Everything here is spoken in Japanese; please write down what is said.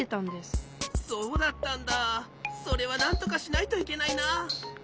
そうだったんだそれはなんとかしないといけないな。